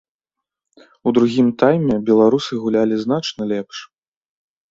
У другім тайме беларусы гулялі значна лепш.